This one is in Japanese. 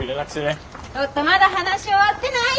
ちょっとまだ話終わってない！